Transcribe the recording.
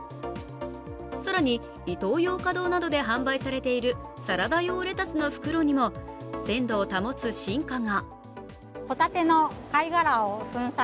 更に、イトーヨーカドーなどで販売されているサラダ用レタスの袋にも鮮度を保つ進化が。